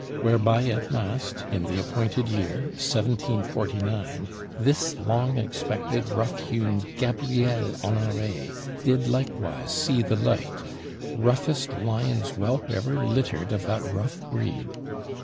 Whereby at last in the appointed year, 1749, this long expected, rough hewn Gabriel Honoré did likewise see the light; roughest lion's whelp ever littered of that rough breed.